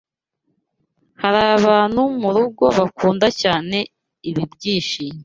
Har’abantu mu rugo bakunda cyane ibishyimbo